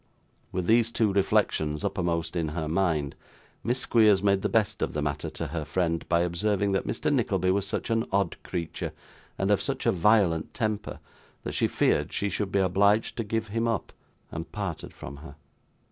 With these two reflections uppermost in her mind, Miss Squeers made the best of the matter to her friend, by observing that Mr. Nickleby was such an odd creature, and of such a violent temper, that she feared she should be obliged to give him up; and parted from her.